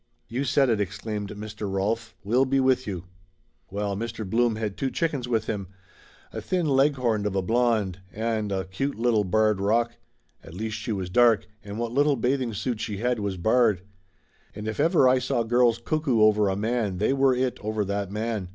"You said it!" exclaimed Mr. Rolf. "We'll be with you!" Well, Mr. Blum had two chickens with him. A thin Leghorn of a blonde, and a cute little barred rock. At least she was dark, and what little bathing suit she had was barred. And if ever I saw girls cuckoo over a man they were it over that man.